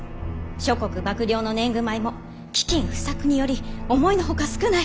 諸国幕領の年貢米も飢きん不作により思いのほか少ない。